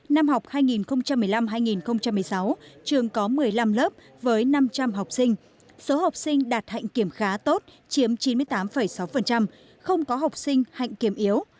năm học hai nghìn một mươi năm hai nghìn một mươi sáu trường có một mươi năm lớp với năm trăm linh học sinh số học sinh đạt hạnh kiểm khá tốt chiếm chín mươi tám sáu không có học sinh hạnh kiểm yếu